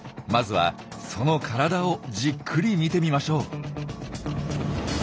まずはその体をじっくり見てみましょう。